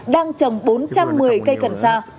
đang trồng bốn trăm một mươi cây cần xa